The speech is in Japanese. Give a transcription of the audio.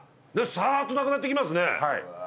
さっとなくなっていきますね。